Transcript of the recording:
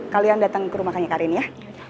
kalian dateng ke rumah kaya karin ya